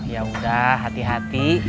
ya udah hati hati